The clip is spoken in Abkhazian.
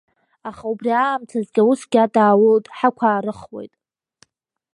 Аха убри аамҭазгьы аусгьы адааулоит, ҳақәаарыхуеит.